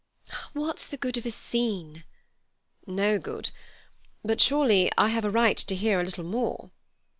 "What's the good of a scene?" "No good. But surely I have a right to hear a little more."